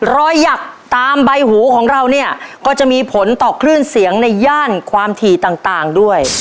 หยักตามใบหูของเราเนี่ยก็จะมีผลต่อคลื่นเสียงในย่านความถี่ต่างด้วย